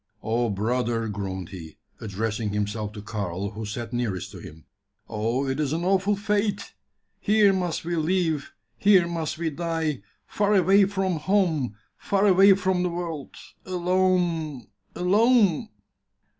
"Oh, brother!" groaned he, addressing himself to Karl, who sat nearest to him, "oh! it is an awful fate! Here must we live, here must we die, far away from home, far away from the world alone alone!"